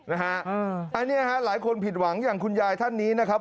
อันนี้ฮะหลายคนผิดหวังอย่างคุณยายท่านนี้นะครับ